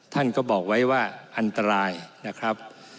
ท่านก็บอกไว้ว่าอันตรายนะครับ